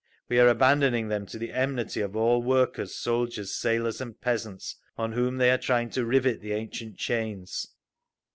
We are abandoning them to the enmity of all workers, soldiers, sailors and peasants, on whom they are trying to rivet the ancient chains.